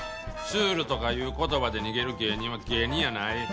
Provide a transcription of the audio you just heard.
「シュール」とかいう言葉で逃げる芸人は芸人やない。